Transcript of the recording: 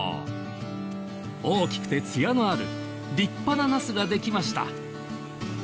大きくてつやのある立派なナスができました。